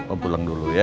om pulang dulu ya